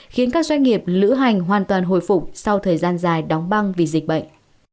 khiến các doanh nghiệp lữ hành hoàn toàn hồi phục sau thời gian dài đóng băng vì dịch bệnh